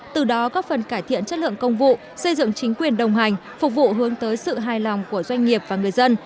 từ đó góp phần cải thiện chất lượng công vụ xây dựng chính quyền đồng hành phục vụ hướng tới sự hài lòng của doanh nghiệp và người dân